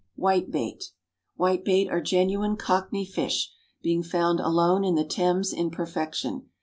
=Whitebait.= Whitebait are genuine Cockney fish, being found alone in the Thames in perfection.